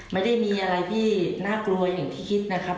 ไม่ได้มีอะไรที่น่ากลัวอย่างที่คิดนะครับ